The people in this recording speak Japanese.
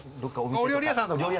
お料理屋さんとか。